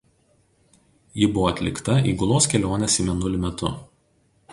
Ji buvo atlikta įgulos kelionės į Mėnulį metu.